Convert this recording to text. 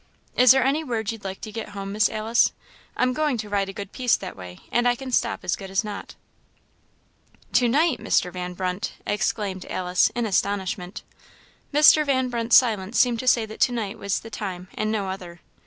"Is there any word you'd like to get home, Miss Alice? I'm going to ride a good piece that way, and I can stop as good as not." "To night, Mr. Van Brunt?" exclaimed Alice, in astonishment. Mr. Van Brunt's silence seemed to say that to night was the time and no other.